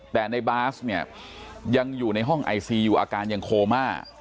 แต่ในบาสเนี่ยยังอยู่ในห้องไอซียูอาการยังโคม่า